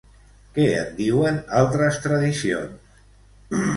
Què en diuen altres tradicions?